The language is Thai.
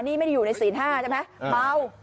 นี่ไม่ได้อยู่ในศีล๕ใช่ไหมเมา